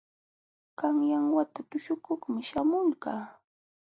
Qanyan wata tuśhukuqmi śhamulqaa.